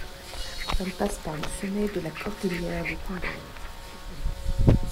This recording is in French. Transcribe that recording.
Elle passe par le sommet de la cordillère du Condor.